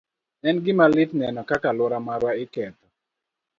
En gima lit neno kaka alwora marwa iketho.